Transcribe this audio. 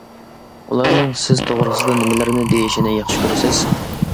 ئۇلارنىڭ سىز توغرىسىدا نېمىلەرنى دېيىشىنى ياخشى كۆرىسىز؟ .